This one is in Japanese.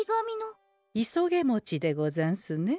いそげもちでござんすね。